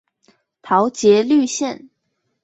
桃捷綠線